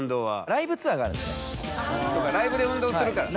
ライブで運動するからね。